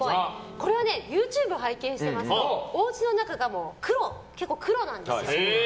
これはＹｏｕＴｕｂｅを拝見してますとおうちの中が結構、黒なんですよ。